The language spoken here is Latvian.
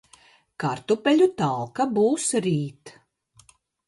Kartupe?u talka b?s r?t.